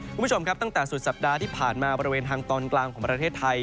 คุณผู้ชมครับตั้งแต่สุดสัปดาห์ที่ผ่านมาบริเวณทางตอนกลางของประเทศไทย